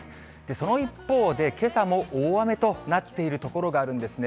その一方で、けさも大雨となっている所があるんですね。